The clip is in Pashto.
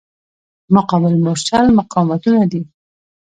مقابل مورچل مقاومتونه دي.